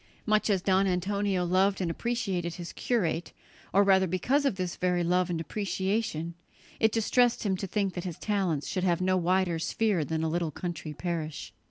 Much as Don Antonio loved and appreciated his curate, or rather because of this very love and appreciation, it distressed him to think that his talents should have no wider sphere than a little country parish.